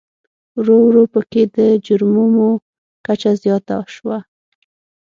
ورو ورو په کې د جرمومو کچه زیاته شوه.